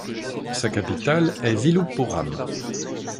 Sa capitale est Viluppuram.